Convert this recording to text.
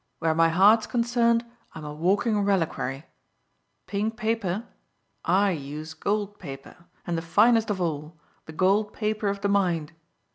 Where my heart's concerned I'm a walking reliquary. Pink paper? I use gold paper and the finest of all, the gold paper of the mind."